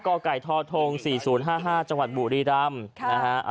กไก่ทธ๔๐๕๕จบุรีดำ